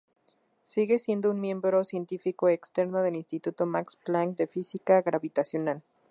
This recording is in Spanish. Sigue siendo un miembro científico externo del Instituto Max Planck de Física Gravitacional.